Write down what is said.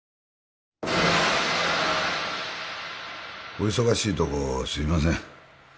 ・お忙しいところすいません